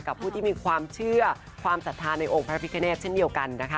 ผู้ที่มีความเชื่อความศรัทธาในองค์พระพิคเนตเช่นเดียวกันนะคะ